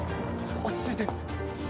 落ち着いて。